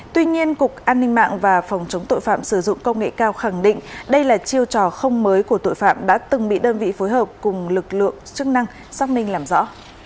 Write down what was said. tuy nhiên cục an ninh mạng và phòng chống tội phạm sử dụng công nghệ cao khẳng định đây là chiêu trò không mới của tội phạm đã từng bị đơn vị phối hợp cùng lực lượng chức năng xác minh làm rõ